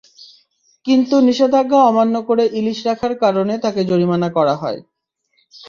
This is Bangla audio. কিন্তু নিষেধাজ্ঞা অমান্য করে ইলিশ রাখার কারণে তাঁকে জরিমানা করা হয়।